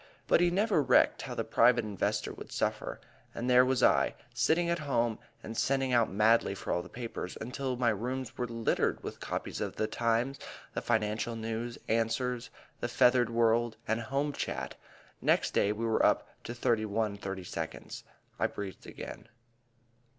But he never recked how the private investor would suffer; and there was I, sitting at home and sending out madly for all the papers, until my rooms were littered with copies of The Times, The Financial News, Answers, The Feathered World and Home Chat. Next day we were up to 31/32, and I breathed again.